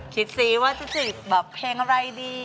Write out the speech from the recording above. คิดสิว่าจะสนิทแบบเพลงอะไรดี